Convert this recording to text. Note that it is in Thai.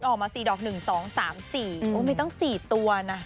ออกมาสี่ดอกหนึ่งสองสามสี่ไม่ต้องสี่ตัวนะ